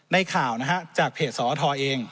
ในข่าวนะครับจากเพจสหรัฐทอเอง